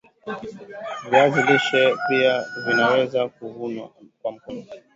viazi lishe pia vinaweza kuvunwa kwa mkono